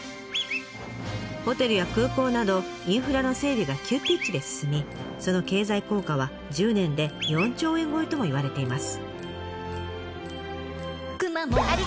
ホテルや空港などインフラの整備が急ピッチで進みその経済効果は１０年で４兆円超えともいわれています。